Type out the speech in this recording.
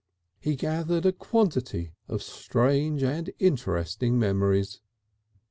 He gathered a quantity of strange and interesting memories.